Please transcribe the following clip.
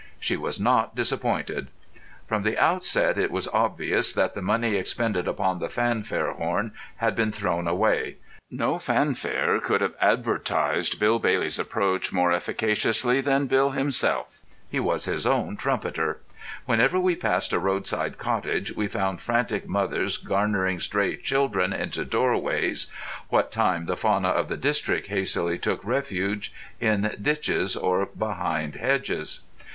She was not disappointed. From the outset it was obvious that the money expended upon the fanfare horn had been thrown away. No fanfare could have advertised Bill Bailey's approach more efficaciously than Bill himself. He was his own trumpeter. Whenever we passed a roadside cottage we found frantic mothers garnering stray children into doorways, what time the fauna of the district hastily took refuge in ditches or behind hedges.